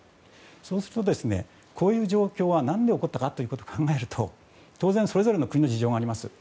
そうすると、こういう状況は何で起こったかを考えると当然、それぞれの国の事情があります。